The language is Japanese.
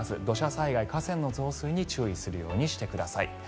土砂災害、河川の増水に注意するようにしてください。